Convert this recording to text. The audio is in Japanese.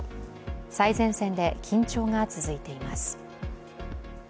最前線で緊張が続いています。